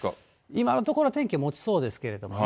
今のところ、天気もちそうですけどね。